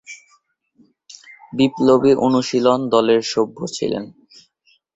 বিপ্লবী অনুশীলন দলের সভ্য ছিলেন।